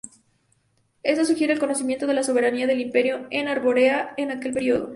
Esto sugiere el reconocimiento de la soberanía del imperio en Arborea en aquel periodo.